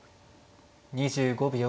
２５秒。